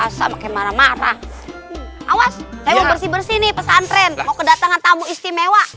awas bersih bersih pesantren mau kedatangan tamu istimewa awas bersih bersih pesantren mau kedatangan tamu istimewa